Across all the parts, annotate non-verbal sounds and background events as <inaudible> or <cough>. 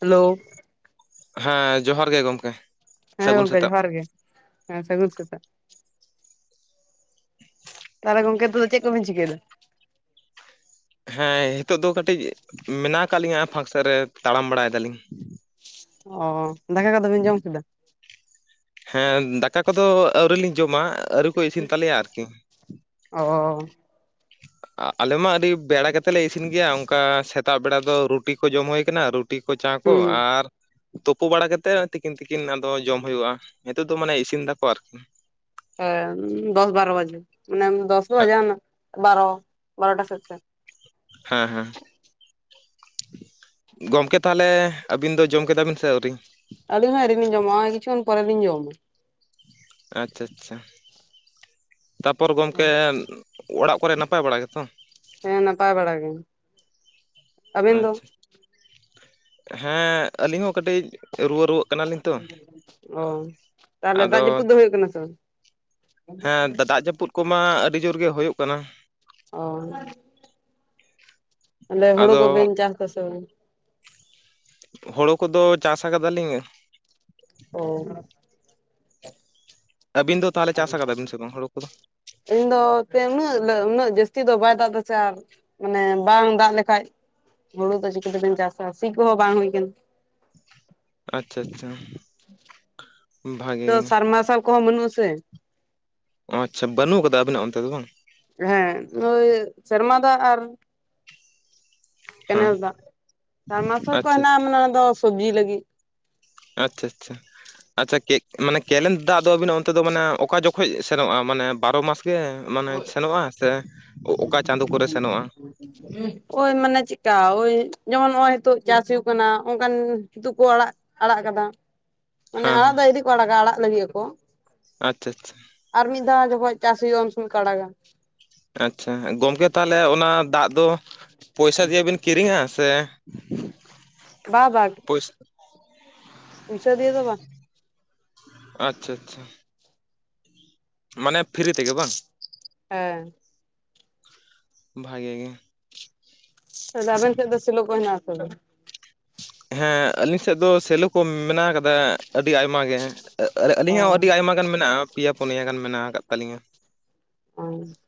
Hello ᱦᱮᱸ ᱡᱚᱦᱟᱨ ᱜᱮ ᱜᱚᱢᱠᱮ ᱾ ᱦᱮᱸ ᱜᱚᱢᱠᱮᱹ ᱡᱚᱦᱟᱨ ᱜᱮ ᱥᱟᱹᱜᱩᱱ ᱥᱮᱛᱟᱜ᱾ ᱛᱟᱦᱚᱞᱮ ᱜᱚᱢᱠᱮ ᱱᱤᱛᱚᱜ ᱫᱚ ᱪᱮᱫ ᱠᱚᱵᱤᱱ ᱪᱤᱠᱟᱹᱭ ᱫᱟ᱾ ᱦᱮᱸ ᱦᱮᱸᱛᱚᱜ ᱫᱚ ᱠᱟᱹᱴᱤᱡ ᱢᱮᱱᱟᱜ ᱟᱠᱟᱫ ᱞᱤᱧᱟᱹ ᱯᱷᱟᱠᱥᱮᱫ ᱨᱮ ᱛᱟᱲᱟᱢ ᱵᱟᱲᱟᱭ ᱫᱟᱞᱤᱧ᱾ ᱚ ᱫᱟᱠᱟ ᱠᱚᱫᱚ ᱵᱤᱱ ᱡᱚᱢ ᱠᱮᱫᱟ? ᱦᱮᱸ ᱫᱟᱠᱟ ᱠᱚᱫᱚ ᱟᱹᱣᱨᱤᱞᱤᱧ ᱡᱚᱢᱟ ᱟᱹᱣᱨᱤ ᱠᱚ ᱤᱥᱤᱱ ᱛᱟᱞᱮᱭᱟ ᱟᱨᱠᱤ᱾ ᱚ ᱟᱞᱮ ᱢᱟ ᱟᱹᱰᱤ ᱵᱮᱲᱟ ᱠᱟᱛᱮ ᱞᱮ ᱤᱥᱤᱱ ᱜᱮᱭᱟ, ᱚᱱᱠᱟ ᱥᱮᱛᱟᱜ ᱵᱮᱲᱟ ᱫᱚ ᱨᱩᱴᱤ ᱠᱚ ᱡᱚᱢ ᱦᱩᱭ ᱠᱟᱱᱟ ᱨᱩ ᱨᱩᱴᱤ ᱠᱚ ᱪᱟ ᱠᱚ ᱦᱩᱸ ᱟᱨ ᱛᱳᱯᱳ ᱵᱟᱲᱟ ᱠᱟᱛᱮᱫ ᱛᱤᱠᱤᱱ ᱛᱤᱠᱤᱱ ᱟᱫᱚ ᱡᱚᱢ ᱦᱩᱭᱩᱜᱼᱟ ᱱᱤᱛᱚᱜ ᱫᱚ ᱢᱟᱱᱮ ᱤᱥᱤᱱ ᱫᱟᱠᱚ ᱟᱨᱠᱤ ᱦᱮᱸ ᱫᱚᱥ ᱵᱟᱨ ᱵᱟᱡᱮ ᱢᱟᱱᱮ ᱫᱚᱥ ᱵᱟᱡᱟᱣᱱᱟ ᱵᱟᱨ ᱵᱟᱨᱴᱟ ᱥᱮᱫ ᱛᱮ ᱦᱮᱸ ᱦᱮᱸ ᱜᱚᱢᱠᱮ ᱛᱟᱦᱚᱞᱮ ᱟᱹᱵᱤᱱ ᱫᱚ ᱡᱚᱢ ᱠᱮᱫᱟ ᱵᱤᱱ ᱥᱮ ᱟᱹᱣᱨᱤ? ᱟᱹᱞᱤᱧ ᱦᱚᱸ ᱟᱹᱣᱨᱤ ᱞᱤᱧ ᱡᱚᱢᱟ ᱱᱚᱜ-ᱚᱭ ᱠᱤᱪᱷᱩ ᱠᱷᱚᱱ ᱯᱚᱨᱮ ᱞᱤᱧ ᱡᱚᱢᱟ᱾ ᱟᱪᱪᱷᱟ ᱟᱪᱪᱷᱟ <inaudible> ᱛᱟᱯᱚᱨ ᱜᱚᱢᱠᱮ ᱚᱲᱟᱜ ᱠᱚ ᱨᱮ ᱱᱟᱯᱟᱭ ᱵᱟᱲᱟ ᱜᱮ ᱛᱚ᱾ ᱦᱮ ᱱᱟᱯᱟᱭ ᱵᱟᱲᱟ ᱜᱮ ᱟᱹᱵᱤᱱ ᱫᱚ ᱟᱪᱪᱷᱟ ᱦᱮᱸ ᱟᱹᱞᱤᱧ ᱦᱚ ᱠᱟᱴᱤᱡ ᱚ ᱛᱟᱦᱞᱮ ᱫᱟᱜ ᱡᱟᱯᱩᱫ ᱫᱚ ᱦᱩᱭᱩᱜ ᱠᱟᱱᱟ ᱥᱮ ᱵᱟᱝ ᱦᱮ ᱫᱟᱜ ᱡᱟᱯᱩᱫ ᱠᱚ ᱢᱟ ᱟᱹᱰᱤ ᱡᱳᱨ ᱜᱮ ᱦᱩᱭᱩᱜ ᱠᱟᱱᱟ, ᱚ ᱛᱟᱦᱞᱮ ᱦᱩᱲᱩ ᱠᱚ ᱟᱫᱚ ᱵᱮᱱ ᱪᱟᱥ ᱫᱟ ᱥᱮ ᱵᱟᱝ? ᱦᱳᱲᱳ ᱠᱚ ᱫᱚ ᱪᱟᱥ ᱟᱠᱟᱫᱟ ᱞᱤᱧ᱾ ᱚ ᱟᱵᱤᱱ ᱫᱚ ᱛᱟᱦᱚᱞᱮ ᱪᱟᱥ ᱟᱠᱟᱫᱟ ᱵᱤᱱ ᱥᱮ ᱵᱟᱝ ᱦᱳᱲᱩ ᱠᱚ ᱫᱚ᱾ ᱤᱧ ᱫᱚ ᱪᱮ ᱩᱱᱟᱹᱜ ᱩᱱᱟᱹᱜ ᱡᱟᱥᱛᱤ ᱫᱚ ᱵᱟᱭ ᱫᱟᱜ ᱫᱟᱥᱮ ᱪᱮ ᱟᱨ ᱢᱟᱱᱮ ᱵᱟᱝ ᱫᱟᱜ ᱞᱮᱠᱷᱟᱡ ᱦᱩᱲᱩ ᱫᱚ ᱪᱤᱠᱟᱹ ᱛᱮᱵᱮᱱ ᱪᱟᱥᱟ ᱥᱤ ᱠᱚᱦᱚ ᱵᱟᱝ ᱦᱩᱭ ᱟᱠᱟᱱᱟ᱾ ᱟᱪᱪᱷᱟ ᱟᱪᱪᱷᱟ ᱵᱷᱟᱜᱮ ᱛᱚ ᱜᱮ ᱥᱟᱨ ᱢᱟᱨᱥᱟᱵ ᱠᱚ ᱦᱚ ᱢᱟᱱᱩᱜ ᱟ ᱥᱮ ᱚ ᱟᱪᱪᱷᱟ ᱵᱟᱱᱩᱜ ᱟᱠᱟᱫᱟ ᱟᱵᱤᱱᱟᱜ ᱚᱱ ᱛᱮ ᱫᱚ ᱵᱟᱝ ᱦᱮᱸ ᱳᱭ ᱥᱮᱨᱢᱟ ᱫᱟᱜ ᱟᱨ ᱦᱮᱸ ᱠᱮᱱᱮᱠ ᱫᱟᱜ ᱥᱟᱵ ᱢᱟᱨᱥᱟᱞ ᱠᱚ ᱟᱪᱪᱷᱟ ᱦᱮᱱᱟᱜᱼᱟ ᱢᱟᱱᱮ ᱚᱱᱟ ᱫᱚ ᱥᱚᱵᱡᱤ ᱞᱟᱜᱤᱫ ᱟᱪᱷᱟ ᱟᱪᱷᱟ ᱟᱪᱷᱟ ᱠᱮᱜ ᱢᱟᱱᱮ ᱠᱮᱱᱮᱠ ᱫᱟᱜ ᱫᱚ ᱟᱵᱤᱱᱟᱜ ᱚᱱᱛᱮ ᱫᱚ ᱢᱟᱱᱮ ᱚᱠᱟ ᱡᱚᱠᱷᱚᱡ ᱥᱮᱱᱚᱜᱼᱟ ᱢᱟᱱᱮ ᱵᱟᱨᱚ ᱢᱟᱥ ᱜᱮ? ᱢᱟᱱᱮ ᱥᱮᱱᱚᱜᱼᱟ ᱥᱮ ᱚᱠᱟ ᱪᱟᱸᱫᱳ ᱠᱚᱨᱮ ᱥᱮᱱᱚᱜᱼᱟ ᱚᱭ ᱢᱟᱱᱮ ᱪᱤᱠᱟ ᱳᱭ ᱡᱮᱢᱚᱱ ᱱᱚᱜᱼᱚᱭ ᱱᱤᱛᱟᱜ ᱪᱟᱥ ᱦᱩᱭᱩᱜ ᱠᱟᱱᱟ ᱚᱱᱠᱟᱱ ᱫᱚ ᱠᱚ ᱟᱲᱟᱜ ᱟᱲᱟᱜ ᱟᱠᱟᱫᱟ ᱢᱟᱱᱮ ᱦᱮᱸ ᱟᱲᱟᱜ ᱫᱚ ᱤᱫᱤ ᱠᱚ ᱟᱲᱟᱜᱟ ᱟᱲᱟᱜ ᱞᱟᱹᱜᱤᱫ ᱟᱠᱚ ᱟᱪᱷᱟ ᱟᱪᱷᱟ ᱟᱨ ᱢᱤᱫ ᱫᱷᱟᱣ ᱡᱚᱠᱷᱚᱱ ᱪᱟᱥ ᱦᱩᱭᱩᱜᱼᱟ ᱩᱱ ᱥᱚᱢᱚᱭ ᱠᱚ ᱟᱲᱟᱜᱟ ᱟᱪᱷᱟ ᱜᱚᱝᱠᱮ ᱛᱟᱦᱞᱮ ᱚᱱᱟ ᱫᱟᱜ ᱫᱚ ᱯᱚᱭᱥᱟ ᱛᱮᱭᱮ ᱵᱤᱱ ᱠᱤᱨᱤᱧᱼᱟ ᱥᱮ ᱵᱟ ᱵᱟ ᱯᱚᱭᱥᱟ ᱯᱩᱭᱥᱟ. ᱫᱤᱭᱮ ᱫᱚ ᱵᱟᱝ ᱟᱪᱷᱟ ᱟᱪᱷᱟ ᱢᱟᱱᱮ ᱯᱷᱤᱨᱤ ᱛᱮ ᱜᱮ ᱵᱟᱝ ᱦᱮᱸ ᱵᱷᱟᱜᱮ ᱜᱮ ᱮ ᱫᱟ ᱟᱵᱮᱱ ᱥᱮᱫ ᱫᱚ ᱥᱮᱞᱚ ᱠᱚ ᱦᱮᱱᱟᱜ ᱟ ᱥᱮ ᱵᱟᱝ? ᱦᱮᱸ ᱟᱹᱞᱤᱧ ᱥᱮᱫ ᱫᱚ ᱥᱮᱞᱚ ᱠᱚ ᱢᱮᱱᱟᱜ ᱟᱠᱟᱫᱟ ᱟ. ᱰᱤ ᱟᱭᱢᱟ ᱜᱮ᱾ ᱟ. ᱟᱨᱮ ᱟᱹᱞᱤᱧᱟᱜ ᱦᱚᱸ ᱚ ᱟᱹᱰᱤ ᱟᱭᱢᱟ ᱜᱟᱱ ᱢᱮᱱᱟᱜᱼᱟ ᱯᱮᱭᱟ ᱯᱩᱱᱭᱟ ᱜᱟᱱ ᱢᱮᱱᱟᱜ ᱟᱠᱟᱫ ᱛᱟ. ᱞᱤᱧᱟ᱾ <unintelligible>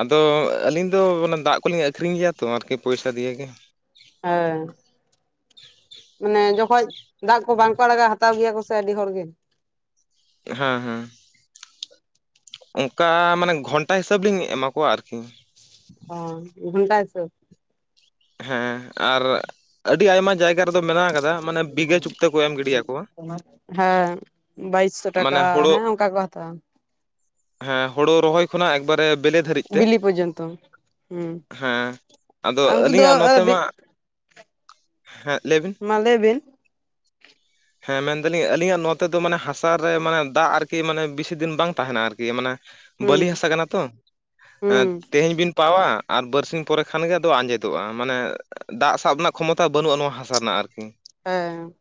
ᱟᱫᱚ ᱟᱹᱞᱤᱧ ᱫᱚ ᱚᱱᱟ ᱫᱟᱜ ᱠᱚᱞᱤᱧ ᱟᱹᱠᱷᱨᱤᱧ ᱜᱮᱭᱟ ᱛᱚ ᱟᱨᱠᱤ ᱯᱚᱭᱥᱟ ᱫᱤᱭᱮ ᱜᱮ ᱦᱮᱸ ᱢᱟᱱᱮ ᱡᱚᱠᱷᱚᱡ ᱫᱟᱜ ᱠᱚ ᱵᱟᱝ ᱠᱚ ᱟᱲᱟᱜᱟ ᱦᱟᱛᱟᱣ ᱜᱮᱭᱟ ᱠᱚ ᱥᱮ ᱥᱮ ᱟ. ᱰᱤ ᱦᱚᱲ ᱜᱮ ᱦᱮᱸ ᱦᱮᱸ ᱚᱱᱠᱟ ᱢᱟᱱᱮ ᱜᱷᱚᱱᱴᱟ ᱦᱤᱥᱟᱹᱵᱽ ᱞᱤᱧ ᱮᱢᱟ ᱠᱚᱣᱟ ᱟᱨᱠᱤ ᱚ ᱜᱷᱚᱱᱴᱟ ᱦᱤᱥᱟᱹᱵᱽ ᱦᱮᱸ ᱟᱨ ᱟᱹᱰᱤ ᱟᱭᱢᱟ ᱡᱟᱭᱜᱟ ᱨᱮ ᱫᱚ ᱢᱮᱱᱟᱜ ᱟᱠᱟᱫᱟ ᱢᱟᱱᱮ ᱵᱤᱜᱷᱟᱹ ᱪᱩᱠᱛᱟᱹ ᱠᱚ ᱮᱢ ᱜᱤᱰᱤᱭᱟᱠᱚᱣᱟ <inaudible> ᱦᱮᱸ ᱵᱟᱭᱤᱥᱥᱚ ᱴᱟᱠᱟ ᱢᱟᱱᱮ ᱦᱳᱲᱳ ᱦᱮᱸ ᱚᱱᱠᱟ ᱜᱮᱠᱚ ᱦᱟᱛᱟᱣᱟ ᱦᱮᱸ ᱦᱩᱲᱩ ᱨᱚᱦᱚᱭ ᱠᱷᱚᱱᱟᱜ ᱮᱠᱵᱟᱨᱮ ᱵᱮᱞᱮ ᱫᱷᱟᱨᱤᱡ ᱛᱮ ᱵᱤᱞᱤ ᱯᱚᱨᱡᱚᱱᱛᱚ ᱦᱩᱸ ᱦᱮᱸ ᱟᱫᱚ ᱩᱱᱠᱩ ᱟ... ᱫᱚ ᱦᱮᱸ ᱞᱟᱹᱭ ᱵᱤᱱ ᱢᱟ ᱞᱟᱹᱭ ᱵᱤᱱ <inaudible> ᱦᱮᱸ ᱢᱮᱱ ᱫᱟ. ᱞᱤᱧ ᱟᱹᱞᱤᱧᱟᱜ ᱱᱚᱛᱮ ᱫᱚ ᱢᱟᱱᱮ ᱦᱟᱥᱟᱨᱮ ᱢᱟᱱᱮ ᱫᱟᱜ ᱟᱨᱠᱤ ᱢᱟᱱᱮ ᱵᱮᱥᱤ ᱫᱤᱱ ᱵᱟᱝ ᱛᱟᱦᱮᱱᱟ ᱟᱨᱠᱤ ᱢᱟᱱᱮ ᱦᱩᱸ ᱵᱟᱹᱞᱤ ᱦᱟᱥᱟ ᱠᱟᱱᱟ ᱛᱚ ᱦᱩᱸ ᱛᱮᱦᱮᱧ ᱵᱤᱱ ᱯᱟᱣᱟ ᱟᱨ ᱵᱟ. ᱨᱥᱤᱧ ᱯᱚᱨᱮ ᱠᱷᱟᱱᱜᱮ ᱟᱫᱚ ᱟᱸᱡᱮᱫ ᱫᱚᱜᱼᱟ ᱢᱟᱱᱮ ᱫᱟᱜ ᱥᱟᱵ ᱨᱮᱱᱟᱜ ᱠᱷᱚᱢᱚᱛᱟ ᱵᱟᱹᱱᱩᱜ-ᱟ ᱱᱚᱶᱟ ᱦᱟᱥᱟ ᱨᱮᱱᱟᱜ ᱟᱨᱠᱤ ᱦᱮᱸ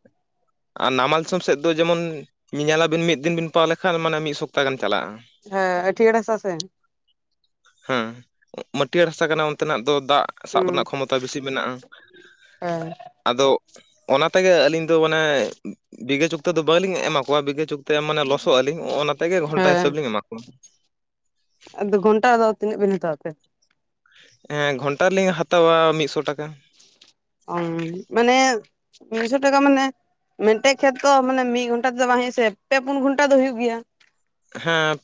ᱟᱨ ᱱᱟᱢᱟᱞ ᱥᱤᱥᱚᱢ ᱥᱮᱫ ᱫᱚ ᱡᱮᱢᱚᱱ ᱧᱮᱧᱮᱞᱟᱵᱤᱱ ᱢᱤᱫ ᱫᱤᱱ ᱵᱤᱱ ᱯᱟᱣ ᱞᱮᱠᱷᱟᱱ ᱢᱟᱱᱮ ᱢᱤᱫ ᱥᱚᱯᱛᱟᱦ ᱜᱟᱱ ᱪᱟᱞᱟᱜ-ᱟ ᱦᱮᱸ ᱟᱹᱴᱷᱤᱭᱟ. ᱲ ᱦᱟᱥᱟ ᱥᱮ ᱦᱮᱸ ᱢᱟᱹᱴᱤᱭᱟᱹᱨ ᱦᱟᱥᱟ ᱠᱟᱱᱟ ᱚᱱᱛᱮᱱᱟᱜ ᱫᱚ ᱫᱟᱜ ᱥᱟᱵ ᱦᱩᱸ ᱨᱮᱱᱟᱜ ᱠᱷᱚᱢᱚᱛᱟ ᱵᱮᱥᱤ ᱢᱮᱱᱟᱜ-ᱟ ᱦᱮᱸ ᱟᱫᱚ ᱚᱱᱟ ᱛᱮᱜᱮ ᱟᱹᱞᱤᱧ ᱫᱚ ᱢᱟᱱᱮ ᱵᱤᱜᱷᱟ ᱪᱩᱠᱛᱚ ᱫᱚ ᱵᱟᱝᱞᱤᱧ ᱮᱢᱟ ᱠᱚᱣᱟ ᱵᱤᱜᱷᱟ ᱪᱩᱠᱛᱚ ᱮᱢ ᱢᱟᱱᱮ ᱞᱚᱥᱚᱜ ᱟᱹᱞᱤᱧ ᱚᱱᱟ ᱛᱮᱜᱮ ᱜᱷᱚᱱᱴᱟ ᱦᱮᱸ ᱦᱤᱥᱟᱹᱵ ᱞᱤᱧ ᱮᱢᱟ ᱠᱚᱣᱟ᱾ ᱟᱫᱚ ᱜᱷᱚᱱᱴᱟ ᱫᱚ ᱛᱤᱱᱟᱹᱜ ᱵᱮᱱ ᱦᱟᱛᱟᱣ ᱛᱮ? ᱦᱮᱸ ᱜᱷᱚᱱᱴᱟ ᱨᱮᱞᱤᱧ ᱦᱟᱛᱟᱣᱟ ᱢᱤᱫ ᱥᱚ ᱴᱟᱠᱟ᱾ ᱚᱝ ᱢᱟᱱᱮ ᱢᱤᱫ ᱥᱚ ᱴᱟᱠᱟ ᱢᱟᱱᱮ ᱢᱤᱫᱴᱮᱡ ᱠᱷᱮᱛ ᱠᱚ ᱢᱟᱱᱮ ᱢᱤᱫ ᱜᱷᱚᱱᱴᱟ ᱛᱮᱫᱚ ᱵᱟᱝ ᱦᱩᱭᱩᱜ-ᱟ ᱥᱮ ᱯᱮ ᱯᱩᱱ ᱜᱷᱚᱱᱴᱟ ᱫᱚ ᱦᱩᱭᱩᱜ ᱜᱮᱭᱟ᱾ ᱦᱮᱸ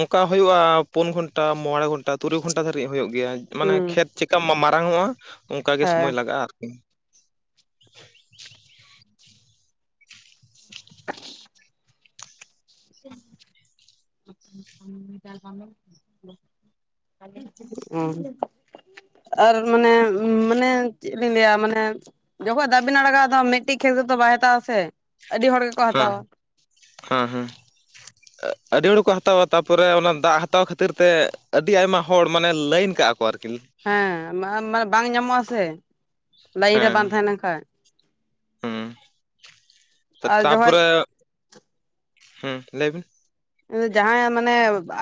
ᱚᱸᱠᱟ ᱦᱩᱭᱩᱜ-ᱟ ᱯᱩᱱ ᱜᱷᱚᱱᱴᱟ ᱢᱚᱬᱮ ᱜᱷᱚᱱᱴᱟ ᱛᱩᱨᱩᱭ ᱜᱷᱚᱱᱴᱟ ᱫᱷᱟᱹᱵᱤᱡ ᱦᱩᱭᱩᱜ ᱜᱮᱭᱟ ᱢᱟᱱᱮ ᱦᱩᱸ ᱠᱷᱮᱛ ᱪᱤᱠᱟ ᱢᱟ ᱢᱟᱨᱟᱝ ᱚᱜ-ᱟ ᱚᱱᱠᱟ ᱜᱮ ᱦᱮᱸ ᱥᱚᱢᱟᱭ ᱞᱟᱜᱟᱜ-ᱟ ᱟᱨᱠᱤ <inaudible> <unintelligible> <unintelligible> ᱚ ᱟᱨ ᱢᱟᱱᱮ ᱢᱟᱱᱮ ᱪᱮᱫ ᱞᱤᱧ ᱞᱟᱹᱭᱟ ᱢᱟᱱᱮ ᱡᱚᱠᱷᱚᱱ ᱫᱟᱜ ᱵᱤᱱ ᱟᱲᱟᱜ-ᱟ ᱢᱤᱫᱴᱤᱡ ᱠᱷᱮᱛ ᱨᱮᱫᱚ ᱵᱟᱭ ᱦᱟᱛᱟ ᱟ ᱥᱮ ᱟᱹᱰᱤ ᱦᱚᱲ ᱦᱮᱸ ᱦᱟᱛᱟᱣᱟ ᱦᱮᱸ ᱦᱮᱸ ᱟᱹᱰᱤ ᱦᱚᱲ ᱠᱚ ᱦᱟᱛᱟᱣᱟ ᱛᱟᱯᱚᱨᱮ ᱚᱱᱟ ᱫᱟᱜ ᱦᱟᱛᱟᱣ ᱠᱷᱟᱹᱛᱤᱨ ᱛᱮ ᱟᱹᱰᱤ ᱟᱭᱢᱟ ᱦᱚᱲ ᱢᱟᱱᱮ ᱞᱟᱹᱭᱤᱱ ᱠᱟᱜ-ᱟ ᱠᱚ ᱠᱚ ᱟᱨᱠᱤᱱ ᱦᱮᱸ ᱢᱟᱱᱮ ᱵᱟᱝ ᱧᱟᱢᱚᱜ-ᱟ ᱥᱮ ᱞᱟᱭᱤᱱ ᱨᱮ ᱵᱟᱝ ᱦᱮᱸ ᱛᱟᱦᱮᱸ ᱞᱮᱱ ᱠᱷᱟᱱ ᱦᱮᱸ ᱟᱨ ᱡᱚᱠᱷᱚᱡ ᱛᱟᱯᱚᱨᱮ ᱦᱮᱸ ᱞᱟᱹᱭᱵᱤᱱ ᱡᱟᱦᱟᱸᱭᱟᱜ ᱢᱟᱱᱮ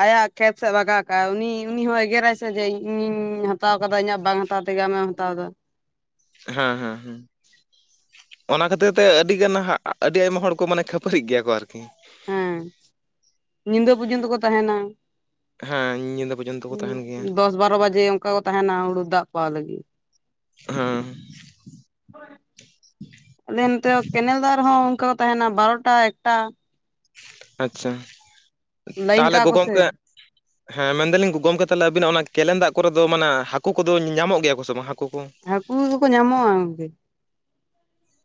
ᱟᱭᱟᱜ ᱠᱷᱮᱛ ᱥᱮᱫ ᱵᱟᱜᱟᱣ ᱠᱟᱜᱼᱟᱭ ᱩᱱᱤ ᱩᱱᱤ ᱦᱚᱸᱭ ᱮᱜᱮᱨᱟᱭ ᱥᱮ ᱡᱮ ᱤᱧᱤᱧ ᱦᱟᱛᱟᱣ ᱠᱟᱫᱟ ᱤᱧᱟᱹᱜ ᱵᱟᱝ ᱦᱟᱛᱟᱣ ᱛᱮᱜᱮ ᱟᱢᱮᱢ ᱦᱟᱛᱟᱣ ᱮᱫᱟ ᱦᱮᱸ ᱦᱮᱸ ᱦᱮᱸ ᱚᱱᱟ ᱠᱷᱟᱹᱛᱤᱨ ᱛᱮ ᱟᱹᱰᱤ ᱜᱟᱱ ᱟᱹᱰᱤ ᱟᱭᱢᱟ ᱦᱚᱲ ᱠᱚ ᱢᱟᱱᱮ ᱠᱷᱟᱹᱯᱟᱹᱨᱤᱜ ᱜᱮᱭᱟ ᱠᱚ ᱟᱨᱠᱤ ᱦᱮᱸ ᱧᱤᱫᱟᱹ ᱯᱡᱚᱱᱛᱚᱠᱚ ᱛᱟᱦᱮᱸᱱᱟ ᱦᱮᱸ ᱧᱤᱫᱟᱹ ᱯᱚᱨᱡᱚᱱᱛᱚ ᱠᱚ ᱛᱟᱦᱮᱱ ᱜᱮᱭᱟ ᱫᱚᱥ ᱵᱟᱨᱚ ᱵᱟᱡᱮ ᱚᱱᱠᱟ ᱠᱚ ᱛᱟᱦᱮᱸᱱᱟ ᱦᱩᱲᱩ ᱫᱟᱜ ᱯᱟᱣ ᱞᱟᱹᱜᱤᱫ ᱦᱮᱸ ᱦᱳᱭ ᱟᱞᱮ ᱱᱚᱛᱮ ᱠᱮᱱᱮᱞ ᱫᱟᱜ ᱨᱮᱦᱚᱸ ᱚᱱᱠᱟ ᱛᱟᱦᱮᱱᱟ ᱵᱟᱨᱚᱴᱟ ᱮᱠᱴᱟ ᱟᱪᱪᱷᱟ ᱞᱟᱭᱤᱱ ᱛᱟᱦᱚᱞᱮ ᱠᱟᱜᱼᱟ ᱠᱚ ᱥᱮ ᱜᱚᱝᱠᱮ ᱦᱮᱸ ᱢᱮᱱᱫᱟᱞᱤᱧ ᱜᱚᱢᱠᱮ ᱛᱟᱦᱚᱞᱮ ᱟᱵᱤᱱᱟᱜ ᱚᱱᱟ ᱠᱮᱞᱮᱱ ᱫᱟᱜ ᱠᱚᱨᱮ ᱫᱚ ᱢᱟᱱᱮ ᱦᱟᱹᱠᱩ ᱠᱚᱫᱚ ᱧᱟᱢᱚᱜ ᱜᱮᱭᱟ ᱠᱚ ᱥᱮ ᱵᱟᱝ ᱦᱟᱹᱠᱩ ᱠᱚ? ᱦᱟᱹᱠᱩ ᱫᱚᱠᱚ ᱠᱚ ᱧᱟᱢᱚᱜ-ᱟ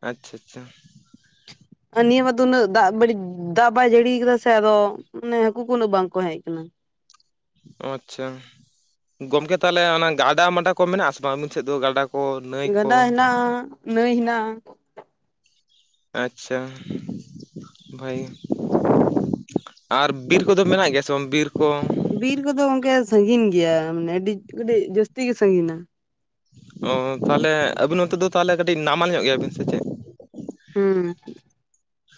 ᱟᱪᱪᱷᱟ ᱟᱪᱪᱷᱟ ᱱᱤᱭᱟᱹ ᱵᱟᱨ ᱫᱚ ᱩᱱᱟᱹᱜ ᱫᱟᱜ ᱵᱟᱹᱲᱤᱡ ᱫᱟᱜ ᱵᱟᱭ ᱡᱟᱹᱲᱤ ᱠᱟᱫᱟ ᱥᱮ ᱟᱫᱚ ᱢᱟᱱᱮ ᱦᱟᱹᱠᱩ ᱠᱚ ᱩᱱᱟᱹᱜ ᱵᱟᱝᱠᱚ ᱦᱮᱡ ᱟᱠᱟᱱᱟ ᱟᱪᱪᱷᱟ ᱜᱚᱝᱠᱮ ᱛᱟᱦᱚᱞᱮ ᱚᱱᱟ ᱜᱟᱰᱟ ᱢᱟᱰᱟ ᱠᱚ ᱢᱮᱱᱟᱜ-ᱟ ᱥᱮ ᱵᱟᱝ ᱟᱹᱵᱤᱱ ᱥᱮᱫ ᱫᱚ ᱜᱟᱰᱟ ᱠᱚ ᱱᱟᱹᱭ ᱜᱟᱰᱟ ᱠᱚ? ᱦᱮᱱᱟᱜ ᱱᱟᱹᱭ ᱦᱮᱱᱟᱜ ᱟᱪᱪᱷᱟ ᱵᱷᱟᱜᱮ ᱜᱮ ᱟᱨ ᱵᱤᱨ ᱠᱚᱫᱚ ᱢᱮᱱᱟᱜ ᱜᱮᱭᱟ ᱥᱮ ᱵᱟᱝ ᱵᱤᱨ ᱠᱚ ᱵᱤᱨ ᱠᱚᱫᱚ ᱜᱚᱝᱠᱮ ᱥᱟᱹᱜᱤᱧ ᱜᱮᱭᱟ ᱢᱟᱱᱮ ᱟᱹᱰᱤ ᱟᱹᱰᱤ ᱡᱟᱹᱥᱛᱤ ᱜᱮ ᱥᱟᱹᱜᱤᱧᱟ ᱚ ᱛᱟᱦᱚᱞᱮ ᱟᱹᱵᱤᱱ ᱱᱚᱛᱮ ᱫᱚ ᱛᱟᱦᱚᱞᱮ ᱠᱟᱹᱴᱤᱡ ᱱᱟᱢᱟᱞ ᱧᱚᱜ ᱜᱮᱭᱟᱵᱤᱱ ᱥᱮ ᱪᱮᱫ ᱦᱩᱸ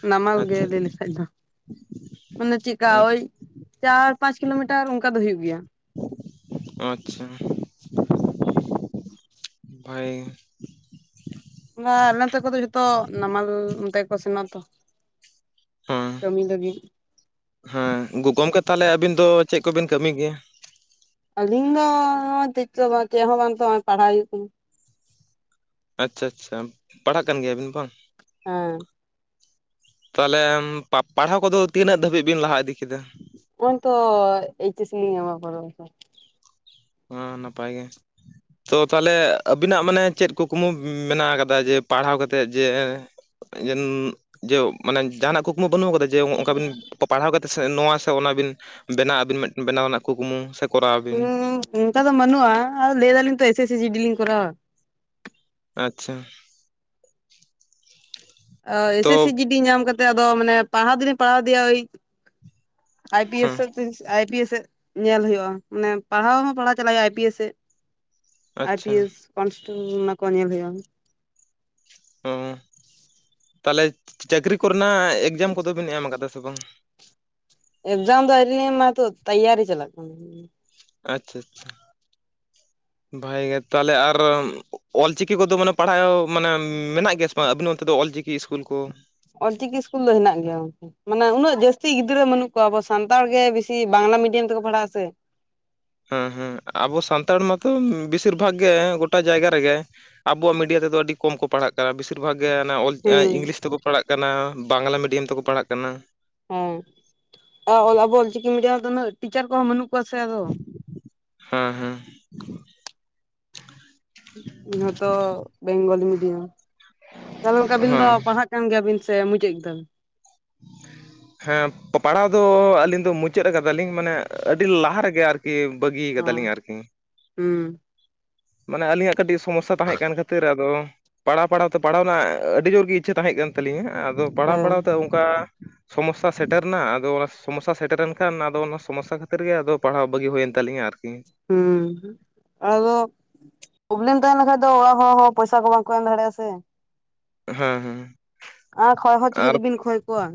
ᱱᱟᱢᱟᱞ ᱜᱮ ᱟᱪᱪᱷᱟ ᱞᱟᱹᱭ ᱞᱮᱠᱟᱡ ᱫᱚ ᱢᱟᱱᱮ ᱪᱮᱫᱠᱟ ᱳᱭ ᱪᱟᱨ ᱯᱟᱸᱪ ᱠᱤᱞᱳᱢᱤᱴᱟᱨ ᱚᱱᱠᱟ ᱫᱚ ᱦᱳᱭᱳᱜ ᱜᱮᱭᱟ ᱟᱪᱪᱷᱟ ᱵᱷᱟᱜᱮ ᱜᱮ ᱟᱞᱮ ᱱᱚᱛᱮ ᱠᱚᱫᱚ ᱡᱷᱚᱛᱚ ᱱᱟᱢᱟᱞ ᱚᱱᱛᱮ ᱜᱮᱠᱚ ᱥᱮᱱᱚᱜᱼᱟᱛᱚ ᱦᱮᱸ ᱠᱟᱹᱢᱤ ᱞᱟᱹᱜᱤᱫ ᱦᱮᱸ ᱜᱚᱢᱠᱮ ᱛᱟᱦᱚᱞᱮ ᱟᱵᱤᱱ ᱫᱚ ᱪᱮᱫ ᱠᱚᱵᱤᱱ ᱠᱟᱹᱢᱤ ᱜᱮᱭᱟ ᱟᱹᱞᱤᱧ ᱫᱚ ᱪᱮᱫ ᱪᱮᱫ ᱦᱚᱸ ᱵᱟᱝ ᱛᱚ ᱯᱟᱲᱦᱟᱣ ᱦᱩᱭᱩᱜ ᱠᱟᱱᱟ ᱟᱪᱪᱷᱟ ᱟᱪᱪᱷᱟ ᱯᱟᱲᱦᱟᱜ ᱠᱟᱱ ᱜᱮᱭᱟᱵᱤᱱ ᱵᱟᱝ ᱦᱮᱸ ᱛᱟᱦᱚᱞᱮ ᱯᱟᱲᱦᱟᱣ ᱠᱚᱫᱚ ᱛᱤᱱᱟᱹᱜ ᱫᱷᱟᱹᱵᱤᱡ ᱵᱤᱱ ᱞᱟᱦᱟ ᱤᱫᱤ ᱠᱮᱫᱟ ᱱᱚᱭ‌‌ᱚᱭ ᱛᱚ ᱮᱭᱤᱪ ᱮᱥ ᱞᱤᱧ ᱮᱢᱟ ᱯᱚᱨᱮᱨ ᱵᱚᱪᱷᱚᱨ ᱦᱩᱸ ᱱᱟᱯᱟᱭ ᱜᱮ ᱛᱚ ᱛᱟᱦᱚᱞᱮ ᱟᱵᱤᱱᱟᱜ ᱢᱟᱱᱮ ᱪᱮᱫ ᱠᱩᱠᱢᱩ ᱢᱮᱱᱟᱜ ᱠᱟᱫᱟ ᱡᱮ ᱯᱟᱲᱦᱟᱣ ᱠᱟᱛᱮᱫ ᱡᱮ ᱡᱮ ᱢᱟᱱᱮ ᱡᱟᱦᱟᱸᱱᱟᱜ ᱠᱩᱠᱢᱩ ᱵᱟᱹᱱᱩᱜ ᱟᱠᱟᱫᱟ ᱡᱮ ᱚᱱᱠᱟ ᱵᱤᱱ ᱯᱟᱲᱦᱟᱣ ᱠᱟᱛᱮ ᱱᱚᱣᱟ ᱥᱮ ᱚᱱᱟ ᱵᱤᱱ ᱵᱮᱱᱟᱣ ᱟᱹᱵᱤᱱ‌ ᱵᱮᱱᱟᱣ ᱨᱮᱱᱟᱜ ᱠᱩᱠᱢᱩ ᱥᱮ ᱠᱚᱨᱟᱣᱼᱟ ᱵᱤᱱ ᱦᱩᱸ ᱚᱱᱠᱟ ᱫᱚ ᱵᱟᱹᱱᱩᱜᱼᱟ ᱟᱫᱚ ᱞᱟᱹᱭ ᱫᱟᱞᱤᱧ ᱛᱚ S S C G D ᱞᱤᱧ ᱠᱚᱨᱟᱣᱟ ᱟᱪᱪᱷᱟ ᱚ ᱛᱚ ᱮᱥᱮᱥ ᱥᱤ ᱡᱤᱰᱤ ᱧᱟᱢ ᱠᱟ ᱠᱟᱛᱮᱫ ᱟᱫᱚ ᱢᱟᱱᱮ ᱯᱟᱲᱦᱟᱣ ᱫᱚᱞᱤᱧ ᱯᱟᱲᱦᱟᱣ ᱤᱫᱤᱭᱟ ᱳᱭ ᱟᱭ ᱯᱤ ᱮᱥ ᱦᱮᱸ ᱥᱮᱜ ᱛᱮ ᱟᱭ ᱯᱤ ᱮᱥ ᱥᱮᱜ ᱧᱮᱞ ᱦᱩᱭᱩᱜᱼᱟ ᱢᱟᱱᱮ ᱯᱟᱲᱦᱟᱣ ᱦᱚᱸ ᱯᱟᱲᱦᱟᱣ ᱪᱟᱞᱟᱜ ᱦᱩᱭᱩᱜᱼᱟ ᱟᱭ ᱯᱤ ᱮᱥ ᱥᱮᱫ ᱟᱭ ᱯᱤ ᱟᱪᱪᱷᱟ ᱮᱥ ᱠᱚᱱᱥᱴᱮᱵᱚᱞ ᱚᱱᱟᱠᱚ ᱧᱮᱞ ᱦᱩᱭᱩᱜᱼᱟ ᱚ ᱛᱟᱦᱚᱞᱮ ᱪᱟᱹᱠᱨᱤ ᱠᱚᱨᱮᱱᱟᱜ ᱮᱠᱡᱟᱢ ᱠᱚᱫᱚ ᱵᱤᱱ ᱮᱢ ᱠᱟᱫᱟ ᱥᱮ ᱵᱟᱝ ᱮᱠᱡᱟᱢ ᱫᱚ ᱟᱭᱨᱤᱞᱤᱧ ᱮᱢᱟ ᱱᱤᱛᱚᱜ ᱛᱮᱭᱟᱨᱤ ᱪᱟᱞᱟᱜ ᱠᱟᱱᱟ ᱟᱪᱪᱷᱟ ᱟᱪᱪᱷᱟ ᱵᱷᱟᱜᱮ ᱜᱮ ᱛᱟᱦᱞᱮ ᱟᱨ ᱚᱞ ᱚᱞ ᱪᱤᱠᱤ ᱠᱚᱫᱚ ᱢᱟᱱᱮ ᱯᱟᱲᱦᱟᱣ ᱢᱟᱱᱮ ᱢᱮᱱᱟᱜ ᱜᱮᱭᱟ ᱥᱮ ᱵᱟᱝ ᱟᱵᱤᱱ ᱚᱱᱛᱮ ᱫᱚ ᱚᱞᱪᱤᱠᱤ ᱤᱥᱠᱩᱞ ᱠᱚ ᱚᱞᱪᱤᱠᱤ ᱤᱥᱠᱩᱞ ᱫᱚ ᱦᱮᱱᱟᱜ ᱜᱮᱭᱟᱠ ᱢᱟᱱᱮ ᱩᱱᱟᱹᱜ ᱡᱟᱹᱥᱛᱤ ᱜᱤᱫᱽᱨᱟᱹ ᱵᱟᱹᱱᱩᱜ ᱠᱚᱣᱟ ᱟᱵᱚ ᱥᱟᱱᱛᱟᱲ ᱜᱮ ᱵᱮᱥᱤ ᱵᱟᱝᱞᱟ ᱢᱤᱰᱤᱭᱟᱢ ᱛᱮᱠᱚ ᱯᱟᱲᱦᱟᱜᱼᱟ ᱥᱮ ᱦᱮᱸ ᱦᱮᱸ ᱟᱵᱚ ᱥᱟᱱᱛᱟᱲ ᱢᱟᱛᱚ ᱵᱮᱥᱤᱨ ᱵᱷᱟᱜᱽ ᱜᱮ ᱜᱚᱴᱟ ᱡᱟᱭᱜᱟ ᱨᱮᱜᱮ ᱟᱵᱚᱣᱟᱜ ᱢᱤᱰᱤᱭᱟ ᱛᱮᱫᱚ ᱟᱹᱰᱤ ᱠᱚᱢ ᱠᱚ ᱯᱟᱲᱦᱟᱜ ᱠᱟᱱᱟ ᱵᱮᱥᱤᱨ ᱵᱷᱟᱜᱽ ᱜᱮ ᱚᱞ ᱦᱩᱸ ᱤᱝᱞᱤᱥ ᱛᱮᱠᱚ ᱯᱟᱲᱦᱟᱜ ᱠᱟᱱᱟ ᱵᱟᱝᱞᱟ ᱢᱤᱰᱤᱭᱟᱢ ᱛᱮᱠᱚ ᱯᱟᱲᱦᱟᱜ ᱠᱟᱱᱟ ᱦᱮᱸ ᱟᱵᱚ ᱚᱞᱪᱤᱠᱤ ᱢᱤᱰᱤᱭᱟᱢ ᱛᱮᱫᱚ ᱩᱱᱟᱹᱜ ᱴᱤᱪᱟᱨ ᱠᱚᱦᱚᱸ ᱵᱟᱹᱱᱩᱜ ᱠᱚ ᱵᱟᱱᱩᱜ ᱠᱚᱭᱟ ᱥᱮ ᱟᱫᱚ ᱦᱮᱸ ᱦᱮᱸ ᱡᱷᱚᱛᱚ ᱵᱮᱝᱜᱚᱞᱤ ᱢᱤᱰᱤᱭᱟᱢ ᱛᱟᱦᱚᱞᱮ ᱜᱚᱢᱠᱮ ᱟᱵᱤᱱ ᱫᱚ ᱦᱮᱸ ᱯᱟᱲᱦᱟᱜ ᱠᱟᱱ ᱜᱮᱭᱟᱵᱤᱱ ᱥᱮ ᱢᱩᱪᱟᱹᱫ ᱠᱮᱫᱟᱵᱤᱱ ᱦᱮᱸᱯᱟᱲᱟᱣ ᱫᱚ ᱟᱹᱞᱤᱧ ᱫᱚ ᱢᱩᱪᱟᱹᱫ ᱢᱩᱪᱟᱫ ᱠᱟᱫᱟᱞᱤᱧ ᱢᱟᱱᱮ ᱟᱹᱰᱤ ᱞᱟᱦᱟ ᱨᱮᱜᱮ ᱟᱨᱠᱤ ᱵᱟᱹᱜᱤ ᱚ ᱠᱟᱫᱟᱞᱤᱧ ᱟᱨᱠᱤ ᱦᱩᱸ ᱢᱟᱱᱮ ᱟᱹᱞᱤᱧᱟᱜ ᱠᱟᱹᱴᱤᱡ ᱥᱚᱢᱚᱥᱥᱟ ᱛᱟᱦᱮᱸ ᱠᱟᱱ ᱠᱷᱟᱹᱛᱤᱨ ᱟᱫᱚ ᱯᱟᱲᱦᱟᱣ ᱯᱟᱲᱦᱟᱣ ᱛᱮ ᱯᱟᱲᱦᱟᱣ ᱨᱮᱱᱟᱜ ᱟᱹᱰᱤ ᱡᱳᱨ ᱜᱮ ᱤᱪᱪᱷᱟᱹ ᱛᱟᱦᱮᱸ ᱠᱟᱱ ᱛᱟᱹᱞᱤᱧᱟ ᱟᱫᱚ ᱯᱟᱲᱦᱟᱣ ᱦᱮᱸ ᱯᱟᱲᱦᱟᱣ ᱛᱮ ᱚᱱᱠᱟ ᱥᱚᱢᱚᱥᱥᱟ ᱥᱮᱴᱮᱨᱨᱮ ᱮᱱᱟ ᱟᱫᱚ ᱚᱱᱟ ᱥᱚᱢᱚᱥᱥᱟ ᱥᱮᱴᱮᱨᱮᱱ ᱠᱷᱟᱱ ᱟᱫᱚ ᱚᱱᱟ ᱥᱚᱢᱚᱥᱥᱟ ᱠᱷᱟᱹᱛᱤᱨ ᱜᱮ ᱟᱫᱚ ᱯᱟᱲᱦᱟᱣ ᱵᱟᱹᱜᱤ ᱦᱩᱭᱮᱱ ᱛᱟᱞᱤᱧᱟ ᱟᱨᱠᱤ ᱦᱩᱸ ᱟᱫᱚ ᱯᱨᱚᱵᱞᱮᱢ ᱛᱟᱦᱮᱸᱱ ᱠᱷᱟᱱ ᱫᱚ ᱚᱲᱟᱜ ᱦᱚᱲ ᱯᱚᱭᱥᱟ ᱠᱚ ᱵᱟᱝᱠᱚ ᱮᱢ ᱫᱟᱲᱮᱭᱟᱜᱼᱟ ᱥᱮ ᱦᱮᱸ ᱦᱮᱸ ᱟᱨ ᱠᱷᱚᱭ ᱦᱚᱸ ᱟᱨ ᱪᱤᱠᱟᱹᱛᱮᱵᱤᱱ ᱠᱷᱚᱭ ᱠᱚᱣᱟ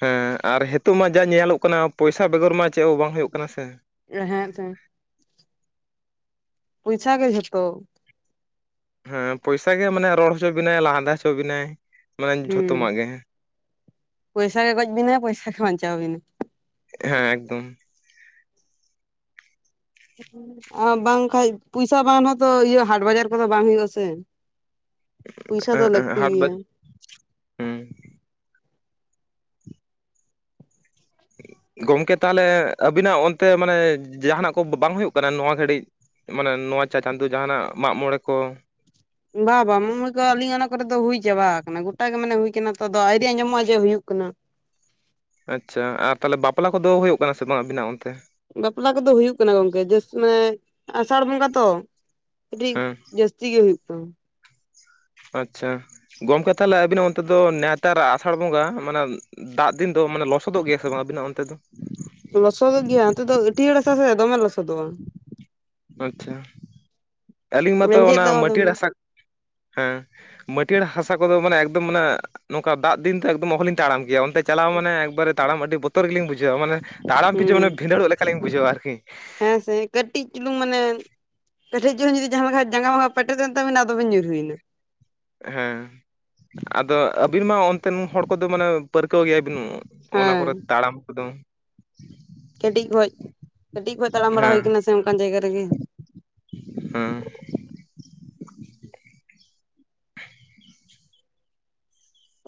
ᱦᱮᱸ ᱟᱨ ᱱᱤᱛᱳᱜ ᱢᱟ ᱡᱟ ᱧᱮᱞᱚᱜ ᱠᱟᱱᱟ ᱯᱚᱭᱥᱟ ᱵᱮᱜᱚᱨ ᱢᱟ ᱪᱮᱫ ᱦᱚᱸ ᱵᱟᱝ ᱦᱩᱭᱩᱜ ᱠᱟᱱᱟ ᱥᱮ ᱦᱮᱸ ᱦᱮᱸ ᱯᱚᱭᱥᱟ ᱜᱮ ᱡᱷᱚᱛᱚ ᱦᱮᱸ ᱯᱚᱭᱥᱟ ᱜᱮ ᱢᱟᱱᱮ ᱨᱚᱲ ᱦᱚᱪᱚ ᱵᱤᱱᱟᱭ ᱞᱟᱱᱫᱟ ᱦᱚᱪᱚ ᱵᱤᱱᱟᱭ ᱢᱟᱱᱮ ᱦᱩᱸ ᱡᱷᱚᱛᱚᱟᱜ ᱜᱮ ᱯᱚᱭᱥᱟ ᱜᱮ ᱜᱚᱡ ᱵᱤᱱᱟᱭ ᱯᱚᱭᱥᱟ ᱜᱮ ᱵᱟᱧᱪᱟᱣ ᱵᱤᱱᱟᱭ ᱦᱮᱸ ᱮᱠᱫᱚᱢ ᱟᱨ ᱵᱟᱝᱠᱟᱱᱡ ᱯᱚᱭᱥᱟ ᱵᱟᱝ ᱦᱚᱸᱛᱚ ᱤᱭᱟᱹ ᱦᱟᱴ ᱵᱟᱡᱟᱨ ᱠᱚᱫᱚ ᱵᱟᱝ ᱦᱩᱭᱩᱜ ᱟᱥᱮ ᱯᱚᱭᱥᱟ ᱫᱚ ᱞᱟᱠᱛᱤᱭᱟ ᱦᱟᱴ ᱵᱟᱡ ᱜᱮᱭᱟ ᱦᱩᱸ ᱜᱚᱢᱠᱮ ᱛᱟᱦᱚᱞᱮ ᱟᱹᱵᱤᱱᱟᱜ ᱚᱱᱛᱮ ᱢᱟᱱᱮ ᱡᱟᱦᱟᱱᱟᱜ ᱠᱚ ᱵᱟᱝ ᱦᱩᱭᱩᱜ ᱠᱟᱱᱟ ᱱᱚᱣᱟ ᱜᱷᱟᱹᱲᱤᱡ ᱢᱟᱱᱮ ᱱᱚᱣᱟ ᱪᱟᱸᱫᱚ ᱡᱟᱦᱟᱱᱟᱜ ᱢᱟᱜᱽ ᱢᱚᱬᱮ ᱠᱚ ᱵᱟ ᱵᱟᱝ ᱢᱚᱭ ᱠᱚ ᱟᱹᱞᱤᱧ ᱚᱱᱟ ᱠᱚᱨᱮ ᱫᱚ ᱦᱩᱭ ᱪᱟᱵᱟ ᱠᱟᱱᱟ ᱜᱚᱴ ᱜᱮ ᱢᱟᱱᱮ ᱦᱩᱭ ᱠᱟᱱᱟ ᱛᱚ ᱫᱚ ᱟᱭᱨᱤ ᱟᱸᱡᱚᱢᱜᱼᱟ ᱡᱮ ᱦᱩᱭᱩᱜ ᱠᱟᱱᱟ ᱟᱪᱪᱷᱟ ᱟᱨ ᱛᱟᱦᱚᱞᱮ ᱵᱟᱯᱞᱟ ᱠᱚᱫᱚ ᱦᱩᱭᱩᱜ ᱠᱟᱱᱟ ᱥᱮ ᱵᱟᱝ ᱟᱵᱤᱱᱟᱜ ᱚᱱᱛᱮ ᱵᱟᱯᱞᱟ ᱠᱚᱫᱚ ᱦᱩᱭᱩᱜ ᱠᱟᱱᱟ ᱜᱚᱝᱠᱮ ᱡᱟᱹᱥ ᱢᱟᱱᱮ ᱟᱥᱟᱲ ᱵᱚᱸᱜᱟ ᱛᱚ ᱠᱟᱹᱴᱤᱡ ᱦᱮᱸ ᱡᱟᱹᱥᱛᱤ ᱜᱮ ᱦᱩᱭᱩᱜ ᱠᱟᱱᱟ ᱟᱪᱪᱷᱟ ᱜᱚᱢᱠᱮ ᱛᱟᱦᱚᱞᱮ ᱟᱹᱵᱤᱱᱟᱜ ᱚᱱᱛᱮ ᱫᱚ ᱱᱣᱮᱛᱟᱨ ᱟᱥᱟᱲ ᱵᱚᱸᱜᱟ ᱢᱟᱱᱮ ᱫᱟᱜ ᱫᱤᱱ ᱫᱚ ᱢᱟᱱᱮ ᱞᱚᱥᱚᱫᱚᱜ ᱜᱮᱭᱟ ᱥᱮ ᱵᱟᱝ ᱟᱵᱤᱱᱟᱜ ᱚᱱᱛᱮ ᱫᱚ ᱞᱚᱥᱚᱫᱚᱜ ᱜᱮᱭᱟ ᱦᱟᱱᱛᱮ ᱫᱚ ᱟᱹᱴᱤᱭᱟᱹᱲ ᱦᱟᱥᱟ ᱥᱮ ᱫᱚᱢᱮ ᱞᱚᱥᱚᱫᱚᱜᱼᱟ ᱟᱪᱪᱷᱟ ᱟᱹᱞᱤᱧ ᱢᱟᱛᱚ ᱞᱮᱸᱡᱮᱫ ᱚᱱᱟ ᱫᱚ ᱢᱟᱹᱴᱤᱭᱟᱹᱲ ᱫᱚᱢᱮ ᱦᱟᱥᱟ ᱦᱮᱸ ᱢᱟᱹᱴᱤᱭᱟᱹᱲ ᱦᱟᱥᱟ ᱠᱚᱫᱚ ᱢᱟᱱᱮ ᱮᱠᱫᱚᱢ ᱚᱱᱮ ᱱᱚᱝᱠᱟ ᱫᱟᱜ ᱫᱤᱱ ᱛᱮ ᱚᱦᱚᱞᱤᱧ ᱛᱟᱲᱟᱢ ᱠᱮᱭᱟ ᱚᱱᱛᱮ ᱪᱟᱞᱟᱣ ᱢᱟᱱᱮ ᱮᱠᱵᱟᱨᱮ ᱛᱟᱲᱟᱢ ᱟᱹᱰᱤ ᱵᱚᱛᱚᱨ ᱜᱮᱞᱤᱧ ᱵᱩᱡᱷᱟᱹᱣᱟ ᱢᱟᱱᱮ ᱛᱟᱲᱟᱢ ᱯᱤᱷᱟᱹ ᱦᱩᱸ ᱢᱟᱱᱮ ᱵᱷᱸᱤᱫᱟᱹᱲᱚᱜ ᱞᱮᱠᱟᱞᱤᱧ ᱵᱩᱡᱷᱟᱹᱣᱟ ᱟᱨᱠᱤ ᱦᱮᱸ ᱥᱮ ᱠᱟᱹᱴᱤᱡ ᱪᱩᱞᱩᱝ ᱢᱟᱱᱮ ᱠᱟᱹᱴᱤᱡ ᱪᱩᱞᱩᱝ ᱡᱩᱫᱤ ᱡᱟᱦᱟ ᱞᱮᱠᱟ ᱡᱟᱸᱜᱟ ᱢᱟᱸᱜᱟ ᱯᱮᱴᱮᱫ ᱮᱱ ᱛᱟᱵᱤᱱᱟ ᱟᱫᱚᱵᱤᱱ ᱧᱩᱨᱩᱭᱱᱟ ᱦᱮᱸ ᱟᱫᱚ ᱟᱹᱵᱤᱱ ᱢᱟ ᱚᱱᱛᱮᱱ ᱦᱚᱲ ᱠᱚᱫᱚ ᱢᱟᱱᱮ ᱯᱟᱹᱨᱠᱟᱹᱣ ᱜᱮᱭᱟ ᱵᱤᱱ ᱚᱱᱟ ᱦᱮᱸ ᱠᱚᱨᱮ ᱛᱟᱲᱟᱢ ᱠᱚᱫᱚ ᱠᱟᱹᱴᱤᱡ ᱠᱷᱚᱡ ᱠᱟᱹᱴᱤᱡ ᱠᱷᱚᱡ ᱛᱟᱲᱟᱢ ᱵᱟᱲᱟ ᱦᱩᱭ ᱦᱮᱸ ᱠᱟᱱᱟ ᱥᱮ ᱚᱱᱠᱟᱱ ᱡᱟᱭᱜᱟ ᱨᱮᱜᱮ ᱦᱮᱸ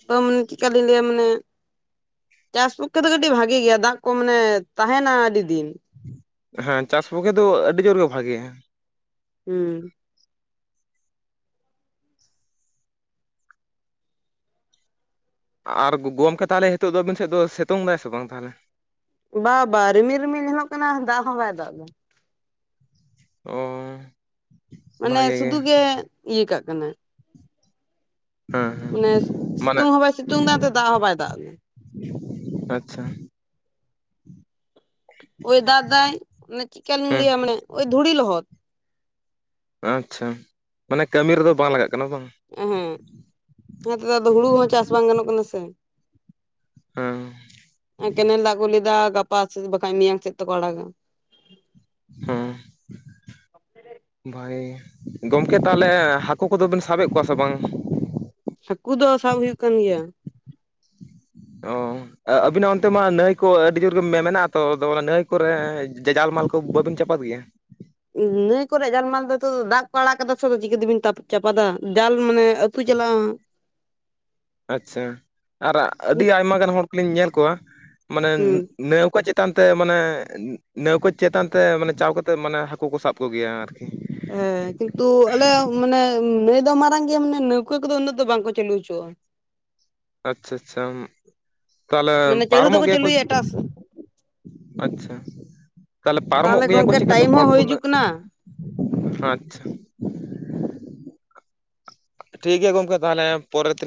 ᱛᱚ ᱢᱟᱱᱮ ᱪᱮᱫᱠᱟᱞᱤᱧ ᱞᱟᱹᱭᱟ ᱢᱟᱱᱮ ᱪᱟᱥ ᱯᱚᱠᱠᱷᱮ ᱫᱚ ᱠᱟᱹᱴᱤᱡ ᱵᱷᱟᱜᱤ ᱜᱮᱭᱟ ᱫᱟᱜ ᱠᱚ ᱢᱟᱱᱮ ᱛᱟᱦᱮᱱᱟ ᱟᱹᱰᱤ ᱫᱤᱱ ᱦᱮᱸ ᱪᱟᱥ ᱯᱚᱠᱠᱷᱮ ᱫᱚ ᱟᱹᱰᱤ ᱡᱳᱨ ᱜᱮ ᱵᱷᱟᱜᱮᱭᱟ ᱦᱩᱸ ᱟᱨ ᱜᱚᱢᱠᱮ ᱛᱟᱦᱚᱞᱮ ᱦᱤᱛᱳᱜ ᱫᱚ ᱟᱹᱵᱤᱱ ᱥᱮᱫ ᱫᱚ ᱥᱤᱛᱩᱝ ᱫᱟᱭ ᱥᱮ ᱵᱟᱝ ᱛᱟᱦᱚᱞᱮ ᱵᱟ ᱵᱟ ᱨᱤᱢᱤᱞ ᱨᱤᱢᱤᱞ ᱧᱮᱞᱚᱜ ᱠᱟᱱᱟ ᱫᱟᱜ ᱦᱚᱸ ᱵᱟᱭ ᱫᱟᱜ ᱮᱫᱟ ᱚ ᱢᱟᱱᱮ ᱥᱩᱫᱩ ᱜᱮ ᱤᱭᱟᱹ ᱠᱟᱜ ᱠᱟᱱᱟ ᱦᱮᱸ ᱦᱮᱸ ᱚᱱᱮ ᱢᱟᱱᱮ ᱥᱤᱛᱩᱝ ᱦᱚᱸ ᱵᱟᱭ ᱥᱤᱛᱩᱝ ᱫᱟ ᱮᱱᱛᱮ ᱫᱟᱜ ᱦᱚᱸ ᱵᱟᱭ ᱫᱟᱜ ᱫᱟ ᱟᱪᱪᱷᱟ ᱳᱭ ᱫᱟᱫᱟᱭ ᱚᱱᱮ ᱪᱮᱫᱠᱟᱧ ᱦᱮᱸ ᱞᱟᱹᱭᱟ ᱢᱟᱱᱮ ᱳᱭ ᱫᱷᱩᱲᱤ ᱞᱚᱦᱚᱫ ᱟᱪᱪᱷᱟ ᱢᱟᱱᱮ ᱠᱟᱹᱢᱤ ᱨᱮᱫᱚ ᱵᱟᱝ ᱞᱟᱜᱟᱜ ᱠᱟᱱᱟ ᱵᱟᱝ ᱮᱦᱮᱸᱜ ᱱᱚᱮᱛ ᱫᱚ ᱟᱫᱚ ᱦᱩᱲᱩ ᱦᱚᱸ ᱪᱟᱥ ᱵᱟᱝ ᱜᱟᱱᱚᱜ ᱠᱟᱱᱟ ᱥᱮ ᱦᱮᱸ ᱠᱮᱱᱮᱞ ᱫᱟᱜ ᱠᱚ ᱞᱮᱭᱫᱟ ᱜᱟᱯ ᱯᱟᱥ ᱵᱟᱠᱷᱟᱡ ᱢᱮᱤᱭᱟᱝ ᱪᱮᱫ ᱛᱮᱠᱚ ᱟᱲᱟᱜᱟ ᱦᱮᱸ ᱵᱷᱟᱜᱮ ᱜᱮ ᱜᱚᱝᱠᱮ ᱛᱟᱦᱚᱞᱮ ᱦᱟᱹᱠᱩ ᱠᱚᱫᱚᱵᱤᱱ ᱥᱟᱵᱮᱜ ᱠᱚᱣᱟ ᱥᱮ ᱵᱟᱝ ᱦᱟᱹᱠᱩ ᱫᱚ ᱥᱟᱵ ᱦᱩᱭᱩᱜ ᱠᱟᱱ ᱜᱮᱭᱟ ᱚ ᱟᱹᱵᱤᱱᱟᱜ ᱚᱱᱛᱮ ᱢᱟ ᱱᱟᱹᱭ ᱠᱚ ᱟᱹᱰᱤ ᱡᱳᱨ ᱜᱮ ᱢᱮᱱᱟᱜᱼᱟ ᱛᱚ ᱟᱫᱚ ᱱᱟᱹᱭ ᱠᱚᱨᱮ ᱡᱟᱡᱟᱞ ᱢᱟᱞ ᱠᱚ ᱵᱟᱹᱵᱤᱱ ᱪᱟᱯᱟᱫ ᱜᱮᱭᱟ ᱱᱟᱹᱭ ᱠᱚᱨᱮ ᱡᱟᱞᱢᱟᱞ ᱫᱚ ᱱᱤᱛᱚᱜ ᱫᱚ ᱫᱟᱜ ᱠᱚ ᱟᱲᱟᱜ ᱠᱟᱫᱟ ᱥᱮ ᱪᱤᱠᱟᱹᱛᱮᱵᱤᱱ ᱛᱟᱯ ᱪᱟᱯᱟᱫᱟ ᱡᱟᱞ ᱢᱟᱱᱮ ᱟᱹᱛᱩ ᱪᱟᱞᱟᱜᱼᱟ ᱟᱪᱪᱷᱟ ᱟᱨ ᱟᱹᱰᱤ ᱟᱭᱢᱟ ᱜᱟᱱ ᱦᱚᱲ ᱠᱚᱞᱤᱧ ᱧᱮᱞ ᱠᱚᱣᱟ ᱢᱟᱱᱮ ᱦᱩᱸ ᱱᱮᱣᱠᱟ ᱪᱮᱫ ᱪᱮᱛᱟᱱ ᱛᱮ ᱢᱟᱱᱮ ᱱᱟᱹᱣᱠᱟᱹ ᱪᱮᱛᱟᱱ ᱛᱮ ᱢᱟᱱᱮ ᱪᱟᱣ ᱠᱟᱛᱮ ᱢᱟᱱᱮ ᱦᱟᱹᱠᱩ ᱠᱚ ᱥᱟᱵ ᱠᱚᱜᱮᱭᱟ ᱟᱨᱠᱤ ᱦᱮᱸ ᱠᱤᱱᱛᱩ ᱟᱞᱮ ᱢᱟᱱᱮ ᱱᱟᱹᱭ ᱫᱚ ᱢᱟᱨᱟᱝ ᱜᱮᱭᱟ ᱢᱟᱱᱮ ᱱᱟᱹᱣᱠᱟᱹ ᱠᱚᱫᱚ ᱩᱱᱟᱹᱜ ᱫᱚ ᱵᱟᱝᱠᱚ ᱪᱟᱹᱞᱩ ᱦᱚᱪᱚᱣᱟᱜᱼᱟ ᱟᱪᱪᱷᱟ ᱟᱪᱪᱷᱟ ᱛᱟᱦᱞᱮ ᱢᱟᱱᱮ ᱪᱟᱹᱞᱩ ᱯᱟᱨᱚᱢᱚᱜ ᱫᱚᱠᱚ ᱜᱮᱭᱟ ᱠᱚ ᱪᱟᱹᱞᱩᱭᱟ ᱮᱴᱟᱜ ᱥᱮᱫ ᱟᱪᱪᱷᱟ ᱛᱟᱦᱚᱞᱮ ᱯᱟᱨᱚᱢᱚᱜ ᱜᱮᱭᱟ ᱠᱚ ᱜᱚᱝᱠᱮ ᱪᱤᱠᱟᱹᱛᱮ ᱴᱟᱭᱤᱢ ᱦᱚᱸ ᱦᱚᱲ ᱦᱩᱭ ᱠᱚ ᱦᱤᱡᱩᱜ ᱩᱱᱟᱹᱜ ᱠᱟᱱᱟ ᱟᱪᱪᱷᱟ ᱴᱷᱤᱠ ᱜᱮᱭᱟ ᱜᱚᱝᱠᱮ ᱛᱟᱦᱚᱞᱮ ᱯᱚᱨᱮ ᱛᱤᱱ